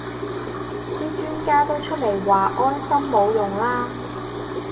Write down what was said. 啲專家都出嚟話安心冇用啦